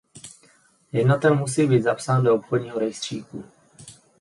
Jednatel musí být zapsán do obchodního rejstříku.